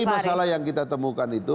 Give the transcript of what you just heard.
nah dari masalah yang kita temukan itu